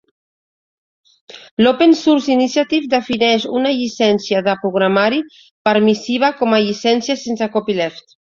L'Open Source Initiative defineix una llicència de programari permissiva com a "llicència sense copyleft".